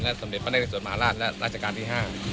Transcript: และสมเด็จพระนักศิลป์ส่วนมหาลาศและราชกาลที่๕